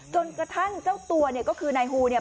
จนกระทั่งเจ้าตัวเนี่ยก็คือนายฮูเนี่ย